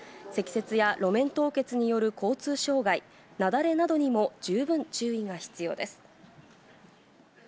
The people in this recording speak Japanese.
積雪や路面凍結による交通障害、雪崩などにも十分注意が必要です。